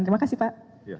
terima kasih pak